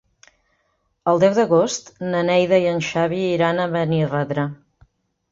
El deu d'agost na Neida i en Xavi iran a Benirredrà.